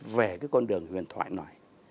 về cái con đường huyền thoại này